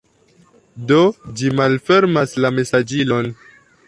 Do, ĝi malfermas la mesaĝilon